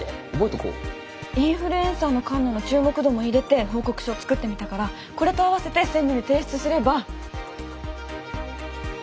インフルエンサーのＫＡＮＮＡの注目度も入れて報告書作ってみたからこれと併せて専務に提出すれば。